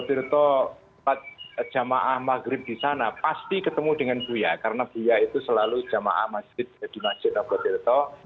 masjid nogotirto jamaah maghrib di sana pasti ketemu dengan buya karena buya itu selalu jamaah di masjid nogotirto